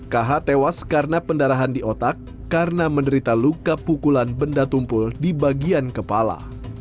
kh tewas karena pendarahan di otak karena menderita luka pukulan benda tumpul di bagian kepala